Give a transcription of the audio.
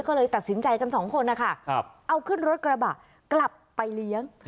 ก็เลยตัดสินใจกันสองคนนะคะเอาขึ้นรถกระบะกลับไปเลี้ยง